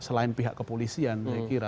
selain pihak kepolisian